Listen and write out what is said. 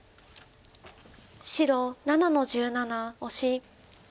白７の十七オシ。